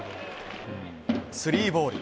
スリーボール。